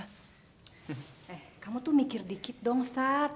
eh kamu tuh mikir dikit dong sat